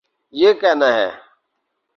یہ کہنا ہے۔